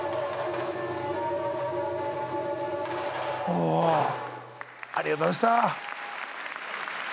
おありがとうございました。